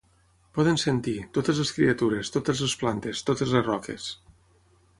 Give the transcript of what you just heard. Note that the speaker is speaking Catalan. Poden sentir, totes les criatures, totes les plantes, totes les roques.